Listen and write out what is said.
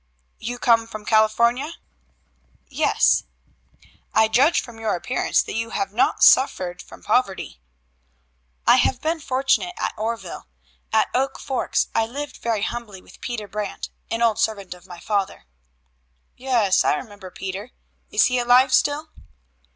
"You come from California?" "Yes." "I judge from your appearance that you have not suffered from poverty." "I have been fortunate at Oreville. At Oak Forks I lived very humbly with Peter Brant, an old servant of my father." "Yes, I remember Peter. Is he alive still?"